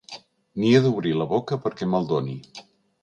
Ni he d'obrir la boca perquè me'l doni.